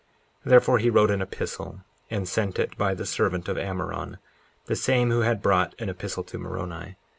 54:4 Therefore he wrote an epistle, and sent it by the servant of Ammoron, the same who had brought an epistle to Moroni.